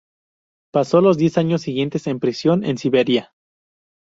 Pasó los diez años siguientes en prisión en Siberia.